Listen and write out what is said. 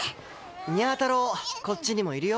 にゃ太郎こっちにもいるよ。